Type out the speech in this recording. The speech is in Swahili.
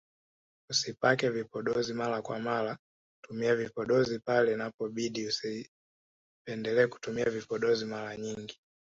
Usipake vipodozi mara kwa mara tumia vipodozi pale inapobidi usipendele kutumia vipodozi mara nyingi